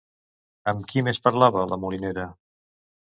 Amb qui més parlava la molinera?